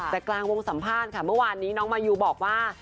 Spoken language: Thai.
แต่กลางวงสัมภาษณ์ค่ะเมื่อวานนี้น้องมายูบอกว่า